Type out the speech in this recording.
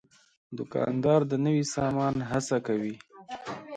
دوکاندار د نوي سامان هڅه کوي.